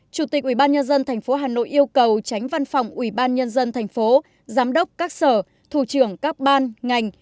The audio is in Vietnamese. chủ tịch ủy ban nhân dân thành phố hà nội yêu cầu tránh văn phòng ủy ban nhân dân thành phố giám đốc các sở thủ trưởng các ban ngành